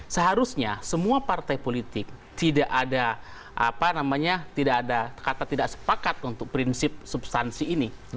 seharusnya semua partai politik tidak ada kata tidak sepakat untuk prinsip substansi ini